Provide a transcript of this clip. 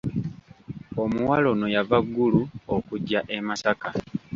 Omuwala ono yava Gulu okujja e Masaka.